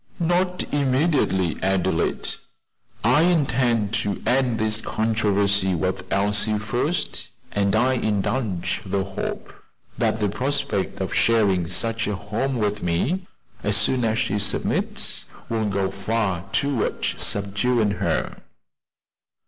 "Not immediately, Adelaide; I intend to end this controversy with Elsie first, and I indulge the hope that the prospect of sharing such a home with me as soon as she submits, will go far towards subduing her."